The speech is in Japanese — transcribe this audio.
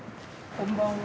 こんばんは。